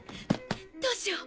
どうしよう！